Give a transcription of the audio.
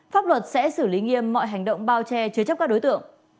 pháp luật sẽ xử lý nghiêm mọi hành động bao che chứa chấp các đối tượng